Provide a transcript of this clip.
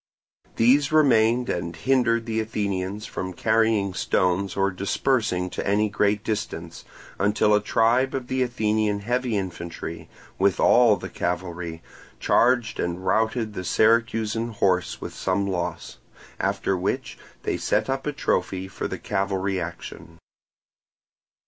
These remained and hindered the Athenians from carrying stones or dispersing to any great distance, until a tribe of the Athenian heavy infantry, with all the cavalry, charged and routed the Syracusan horse with some loss; after which they set up a trophy for the cavalry action.